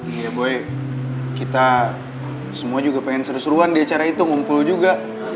iya buy kita semua juga pengen seru seruan di acara itu ngumpul juga